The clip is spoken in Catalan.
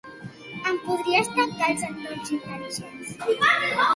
Em podries tancar els endolls intel·ligents?